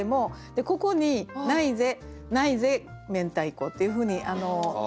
ここに「ないぜないぜ明太子」っていうふうにしてみては。